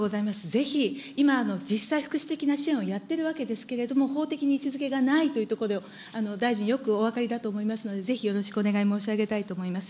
ぜひ今、実際、福祉的な支援をやっているわけですけれども、法的に位置づけがないというところで、大臣、よくお分かりだと思いますので、ぜひよろしくお願い申し上げたいと思います。